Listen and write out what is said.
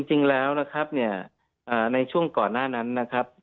จริงแล้วนะครับเนี่ยในช่วงก่อนหน้านั้นนะครับ